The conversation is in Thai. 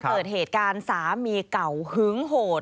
เกิดเหตุการณ์สามีเก่าหึงโหด